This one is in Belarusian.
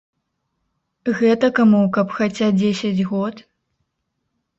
Гэтакаму каб хаця дзесяць год.